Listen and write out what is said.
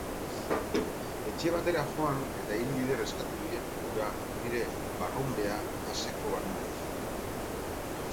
Etxe batera joan eta hiru bider eskatu diet ura nire barrunbea aseko banuen.